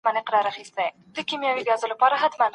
له ذهني ازادۍ څخه خوند واخلئ.